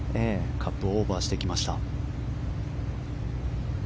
カップをオーバーしました。